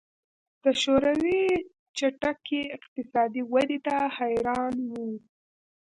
د شوروي چټکې اقتصادي ودې ته حیران وو